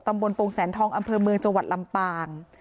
ตรงแสนทองอำเภอเมืองจังหวัดลำปาง